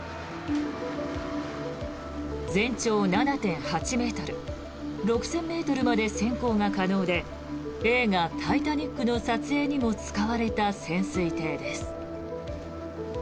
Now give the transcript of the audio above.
全長７．８ｍ６０００ｍまで潜航が可能で映画「タイタニック」の撮影にも使われた潜水艇です。